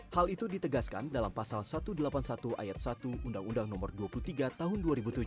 hal itu ditegaskan dalam pasal satu ratus delapan puluh satu ayat satu undang undang no dua puluh tiga tahun dua ribu tujuh